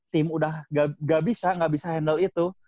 tim udah gak bisa nggak bisa handle itu